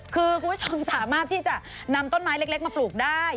คือคุณผู้ชมสามารถที่จะนำต้นไม้เล็กมาปลูกได้